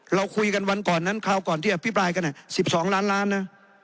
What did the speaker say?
เราคุยกันวันก่อนนั้นคราวก่อนที่อภิปรายกัน๑๒ล้านล้านนะ